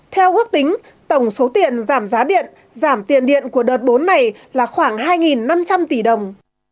theo ước tính tổng số tiền giảm giá điện giảm tiền điện của đợt bốn này là khoảng hai năm trăm linh tỷ đồng